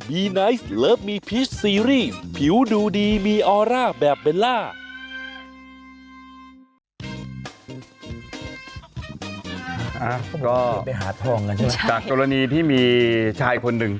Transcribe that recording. จากตัวนี้ที่มีชายคนหนึ่งเป็นครูโรงเรียนแห่งหนึ่ง